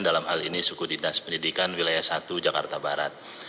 dalam hal ini suku dinas pendidikan wilayah satu jakarta barat